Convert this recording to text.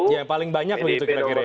yang paling banyak begitu kira kira ya